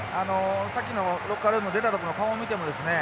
さっきのロッカールーム出たとこの顔を見てもですね